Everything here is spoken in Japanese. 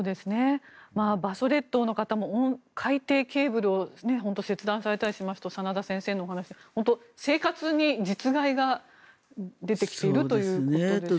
馬祖列島の方も海底ケーブルを切断されたりしますと真田先生のお話で、生活に実害が出てきているということですね。